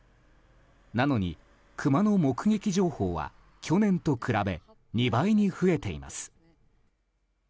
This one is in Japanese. なのに、クマの目撃情報は去年と比べ２倍に増えています。